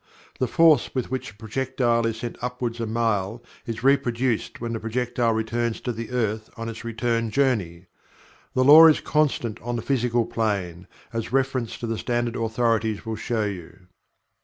The force with which a projectile is sent upward a mile is reproduced when the projectile returns to the earth on its return journey. This Law is constant on the Physical Plane, as reference to the standard authorities will show you.